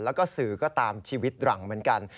แล้วก็สื่อก็ตามชีวิตหลังเหมือนกัน